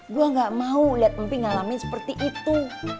gue gak mau liat mimpi ngalamin seperti itu